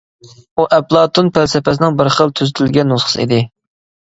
ئۇ ئەپلاتون پەلسەپىسىنىڭ بىر خىل تۈزىتىلگەن نۇسخىسى ئىدى.